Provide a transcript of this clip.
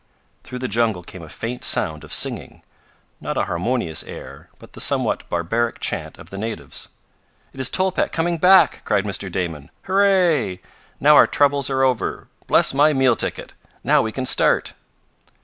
Through the jungle came a faint sound of singing not a harmonious air, but the somewhat barbaric chant of the natives. "It is Tolpec coming back!" cried Mr. Damon. "Hurray! Now our troubles are over! Bless my meal ticket! Now we can start!"